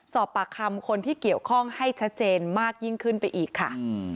สอบปากคำคนที่เกี่ยวข้องให้ชัดเจนมากยิ่งขึ้นไปอีกค่ะ